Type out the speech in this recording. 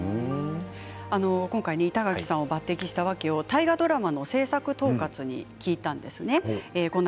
今回、板垣さんを抜てきした訳を大河ドラマの制作統括に聞きました。